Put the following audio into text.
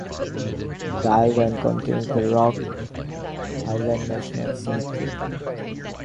The island contains the Rock Island National Cemetery.